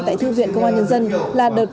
tại thư viện công an nhân dân là đợt